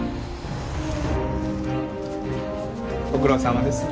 ご苦労さまです。